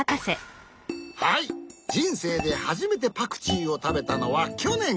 はいじんせいではじめてパクチーをたべたのはきょねん！